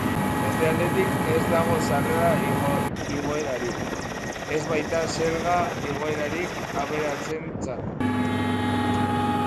Bestaldetik, ez dago sarrera igoerarik, ez baita zerga igoerarik aberatsentzat.